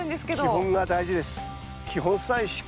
基本が大事です。